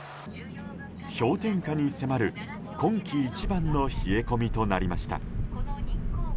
氷点下に迫る、今季一番の冷え込みとなりました。